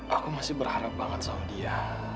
aku masih berharap banget sama dia